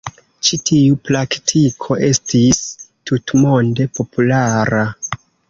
Ĉi tiu praktiko estis tutmonde populara.